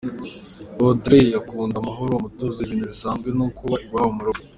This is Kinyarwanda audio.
Audrey akunda amahoro, umutuzo, ibintu bisanzwe no kuba iwabo mu rugo.